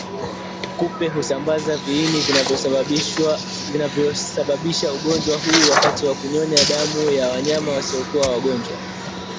Kupe husambaza viini vinavyosababisha ugonjwa huu wakati wa kunyonya damu ya wanyama wasiokuwa wagonjwa